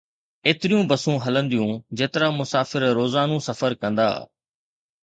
ايتريون بسون هلنديون، جيترا مسافر روزانو سفر ڪندا.